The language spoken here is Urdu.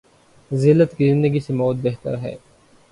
زلت کی زندگی سے موت بہتر ہے۔